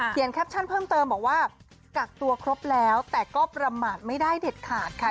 แคปชั่นเพิ่มเติมบอกว่ากักตัวครบแล้วแต่ก็ประมาทไม่ได้เด็ดขาดค่ะ